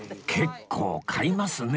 結構買いますね！